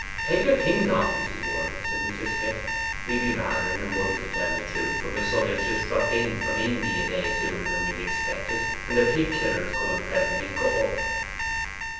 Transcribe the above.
'Take your things off, Mrs. Worm,' said Mrs. Smith. 'We be rather in a muddle, to tell the truth, for my son is just dropped in from Indy a day sooner than we expected, and the pig killer is coming presently to cut up.